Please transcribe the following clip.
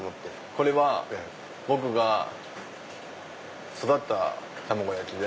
これは僕が育った卵焼きで。